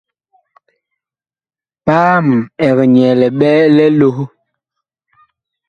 Paam ɛg nyɛɛ liɓɛ li loh.